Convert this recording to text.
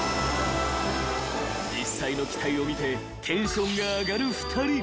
［実際の機体を見てテンションが上がる２人］